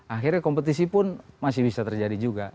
akhirnya kompetisi pun masih bisa terjadi juga